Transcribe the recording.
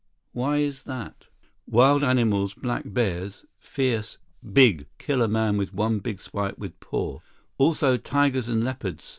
"Why is that?" "Wild animals. Black bears—fierce, big, kill a man with one big swipe with paw. Also tigers and leopards.